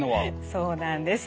そうなんです。